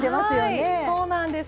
はいそうなんです。